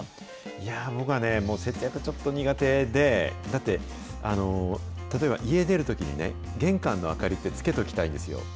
いや僕はね、もう節約、ちょっと苦手で、だって、例えば家出るときにね、玄関の明かりって、つけときたいんですよ。